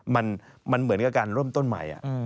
มันเหมือนกับการเริ่มต้นใหม่